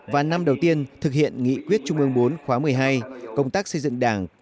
và năm đầu tiên thực hiện nghị quyết trung ương bốn khóa một mươi hai công tác xây dựng đảng